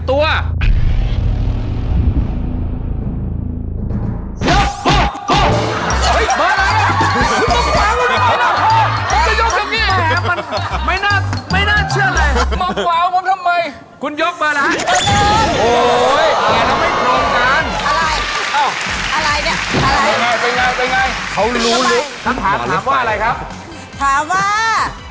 ถามว่าอะไรครับถามว่า